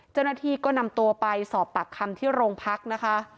เจ้าหน้าที่ก็นำตัวไปสอบปากคำที่โรงพักนะคะ